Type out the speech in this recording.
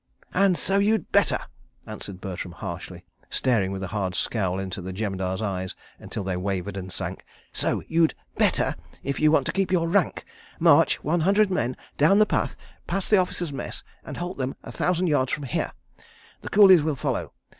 "And so you'd better," answered Bertram harshly, staring with a hard scowl into the Jemadar's eyes until they wavered and sank. "So you'd better, if you want to keep your rank. ... March one hundred men down the path past the Officers' Mess, and halt them a thousand yards from here. ... The coolies will follow.